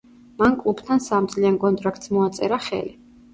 მან კლუბთან სამ წლიან კონტრაქტს მოაწერა ხელი.